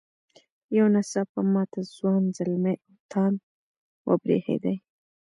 یو نا څاپه ماته ځوان زلمي او تاند وبرېښدې.